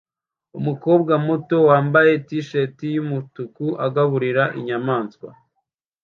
Umukobwa muto wambaye t-shirt yumutuku agaburira inyamaswa